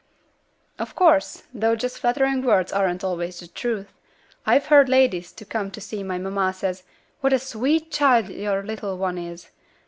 "Of course; though just flattering words aren't always the truth. I've heard ladies who came to see mamma say, 'What a sweet child your little one is!'"